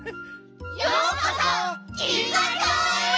ようこそ銀河町へ！